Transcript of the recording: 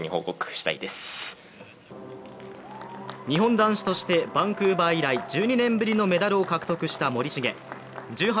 日本男子としてバンクーバー以来、１２年ぶりのメダルを獲得した森重。